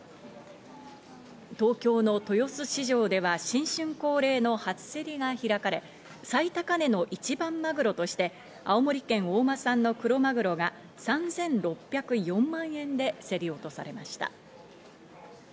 東京の豊洲市場では新春恒例の初競りが開かれ、最高値の一番マグロとして青森県大間産のクロマグロが３６０４万円で競り落とされました。